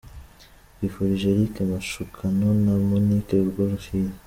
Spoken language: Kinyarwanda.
Twifurije Eric Mashukano na Monique urugo ruhire.